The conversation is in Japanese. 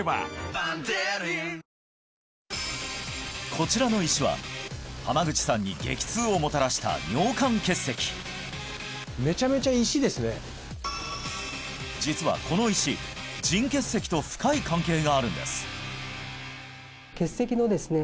ここちらの石は濱口さんに激痛をもたらした実はこの石腎結石と深い関係があるんです